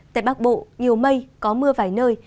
tại bắc bộ nhiều mây có mưa vài nơi